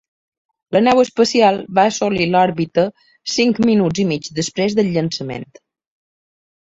La nau espacial va assolir l'òrbita cinc minuts i mig després del llançament.